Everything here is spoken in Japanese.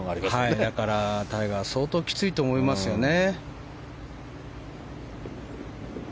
だから、タイガーは相当きついと思いますよね。